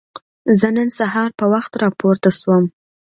زه نن سهار په وخت راپورته شوم.